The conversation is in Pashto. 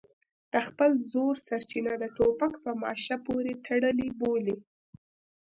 د خپل زور سرچینه د ټوپک په ماشه پورې تړلې بولي.